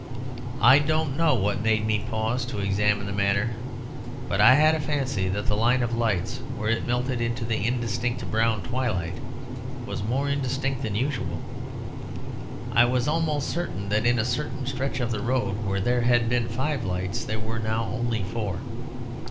I don't know what made me pause to examine the matter, but I had a fancy that the line of lights, where it melted into the indistinct brown twilight, was more indistinct than usual. I was almost certain that in a certain stretch of the road where there had been five lights there were now only four.